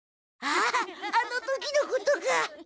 あああの時のことか！